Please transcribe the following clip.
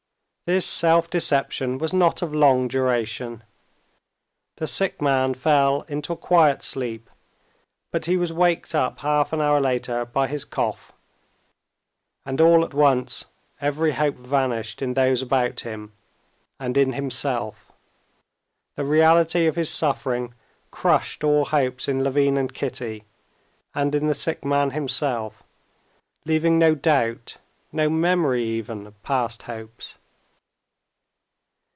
This self deception was not of long duration. The sick man fell into a quiet sleep, but he was waked up half an hour later by his cough. And all at once every hope vanished in those about him and in himself. The reality of his suffering crushed all hopes in Levin and Kitty and in the sick man himself, leaving no doubt, no memory even of past hopes.